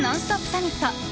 サミット。